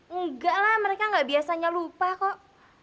enggak lah mereka nggak biasanya lupa kok